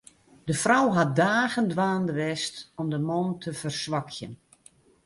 De frou hat dagen dwaande west om de man te ferswakjen.